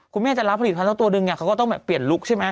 คุณแม่จะรับผลิตภัณฑ์แล้วตัวหนึ่งเขาก็ต้องแบบเปลี่ยนลุคใช่ไหม